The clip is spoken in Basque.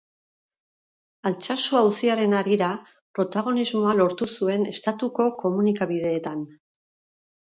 Altsasu auziaren harira protagonismoa lortu zuen Estatuko komunikabideetan.